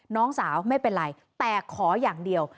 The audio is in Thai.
น้องสาวไม่เป็นไรแต่ขออย่างเดียว